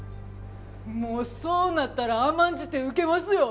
もうそうなったら甘んじて受けますよ